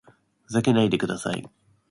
ふざけないでください